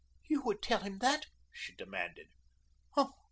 "You would tell him that?" she demanded.